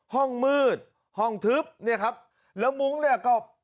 ห้องมืดห้องทึบเนี่ยครับแล้วมุ้งเนี่ยก็